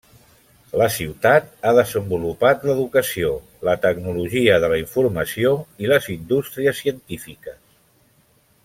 La ciutat ha desenvolupat l'educació, la tecnologia de la informació i les indústries científiques.